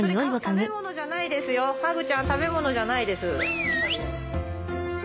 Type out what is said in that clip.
はぐちゃん食べ物じゃないです。